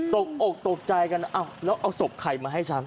ตกอกตกใจกันอ้าวแล้วเอาศพใครมาให้ฉัน